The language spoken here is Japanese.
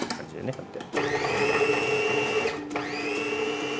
こうやって。